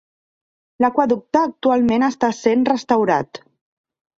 L'aqüeducte actualment està sent restaurat.